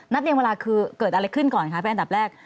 นับเลี่ยงเวลาคือเกิดอะไรขึ้นก่อนคะแปลกแรก